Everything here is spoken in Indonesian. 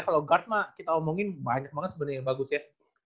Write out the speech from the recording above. kalau guard mah kita omongin banyak banget sebenarnya yang bagus ya